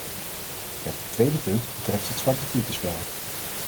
Het tweede punt betreft het zwartepietenspel.